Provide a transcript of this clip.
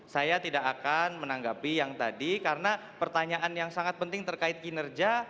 saya tidak akan menanggapi yang tadi karena pertanyaan yang sangat penting terkait kinerja